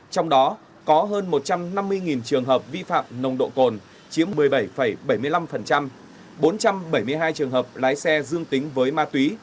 trong đó có hơn một trăm năm mươi trường hợp vi phạm nồng độ cồn chiếm một mươi bảy bảy mươi năm bốn trăm bảy mươi hai trường hợp lái xe dương tính với ma túy